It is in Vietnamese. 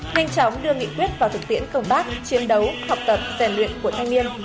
nhanh chóng đưa nghị quyết vào thực tiễn công tác chiến đấu học tập rèn luyện của thanh niên